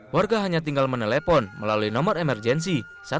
warga hanya tinggal menelepon melalui nomor emergensi